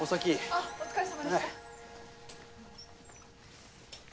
あっお疲れさまでした。